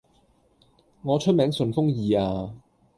我出名順風耳呀